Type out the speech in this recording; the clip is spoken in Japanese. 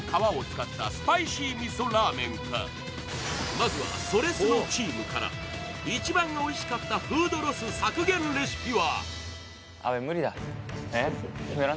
まずは、「それスノ」チームから、一番おいしかったフードロス削減レシピは？